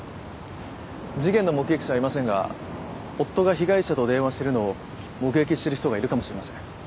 事件の目撃者はいませんが夫が被害者と電話してるのを目撃してる人がいるかもしれません。